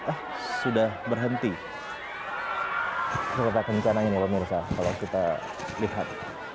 eh sudah berhenti kereta kencananya ini pak mirsa kalau kita lihat